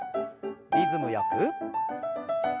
リズムよく。